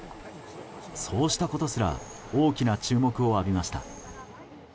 そうしたことすら大きな注目を浴びました。